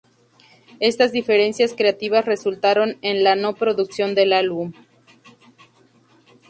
Estas diferencias creativas resultaron en la no producción del álbum.